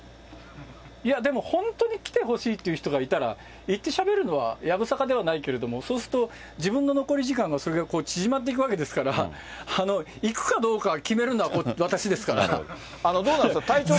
いや、でも本当に来てほしいっていう人がいたら、行ってしゃべるのはやぶさかではないけれども、そうすると、自分の残り時間がそれだけ縮まっていくわけですから、行くかどうかを決めるのは私ですから。